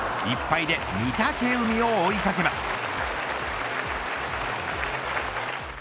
１敗で御嶽海を追いかけます。